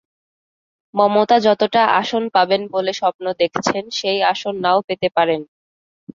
মমতা যতটা আসন পাবেন বলে স্বপ্ন দেখছেন, সেই আসন না-ও পেতে পারেন।